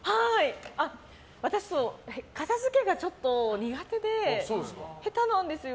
私、片付けがちょっと苦手で下手なんですよ。